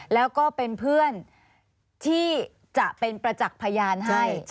แล้วก็เป็นเพื่อนที่จะเป็นประจักษ์พยานให้